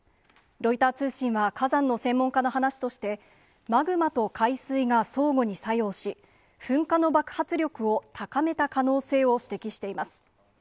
ロイター通信は火山の専門家の話として、マグマと海水が相互に作用し、噴火の爆発力を高めた可能性を指摘しています。